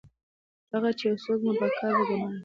تر هغه چې یو څوک مو په کار وګماري